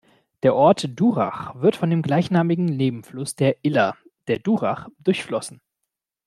Der Ort Durach wird von dem gleichnamigen Nebenfluss der Iller, der Durach, durchflossen.